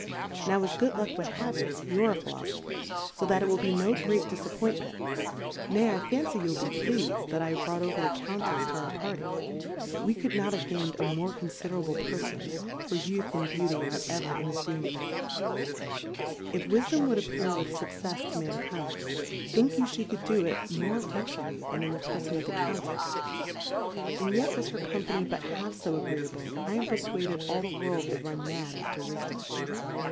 Now, as good Luck wouM have it youVe a Philofopher, fo that it will be no great Difappointment ; nay, I fancy, you'll be pleas'd, that I have brought over the Countefs to our Par ty, we could not have gainM a more confiderable Perfon, for Youth arid Beauty are ever ineftimable : If IVif dom wouM appear with Succefs to Man kind, think you flie could do it more .effedually than in the Perfon of the Countefs ? And yet was her Company but half fo agreeable. 1 am perfwaded all the World wou'd run Mad after Wifdom.